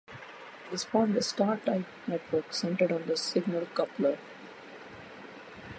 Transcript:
This formed a star-type network centered on the signal coupler.